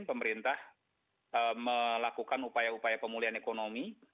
pemerintah melakukan upaya upaya pemulihan ekonomi